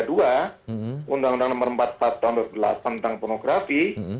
undang undang nomor empat tahun dua ribu delapan tentang pornografi